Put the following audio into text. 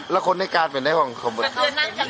แล้วคนในกาทเป็นอย่างไร